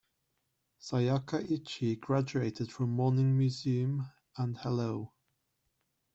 Sayaka Ichii graduated from Morning Musume and Hello!